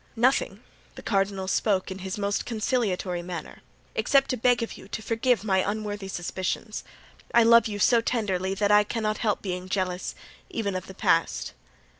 "Nothing,"—the cardinal spoke in his most conciliatory manner—"except to beg of you to forgive my unworthy suspicions. I love you so tenderly that I cannot help being jealous, even of the past."